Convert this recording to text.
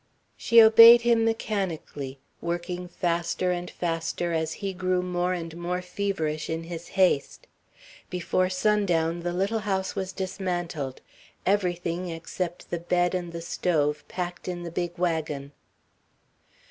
She obeyed him mechanically, working faster and faster as he grew more and more feverish in his haste. Before sundown the little house was dismantled; everything, except the bed and the stove, packed in the big wagon.